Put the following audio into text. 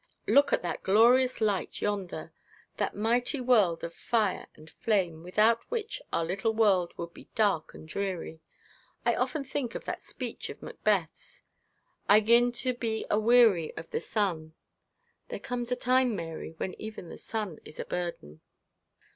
Look at that glorious light yonder, that mighty world of fire and flame, without which our little world would be dark and dreary. I often think of that speech of Macbeth's, "I 'gin to be aweary of the sun." There comes a time, Mary, when even the sun is a burden.'